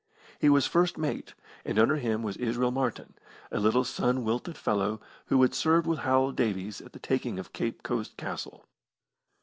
He was first mate, and under him was Israel Martin, a little sun wilted fellow who had served with Howell Davies at the taking of Cape Coast Castle.